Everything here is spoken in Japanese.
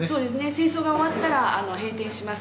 戦争が終わったら閉店します。